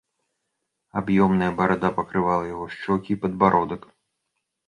Аб'ёмная барада пакрывала яго шчокі і падбародак.